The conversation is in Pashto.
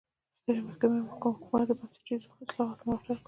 سترې محکمې او حکومت د بنسټیزو اصلاحاتو ملاتړ وکړ.